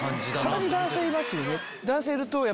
たまに男性いますよね。